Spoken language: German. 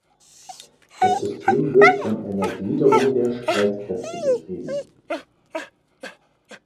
Das System wird von einer Gliederung der Streitkräfte betrieben.